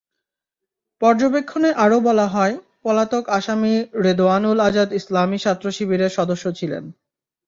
পর্যবেক্ষণে আরও বলা হয়, পলাতক আসামি রেদোয়ানুল আজাদ ইসলামী ছাত্রশিবিরের সদস্য ছিলেন।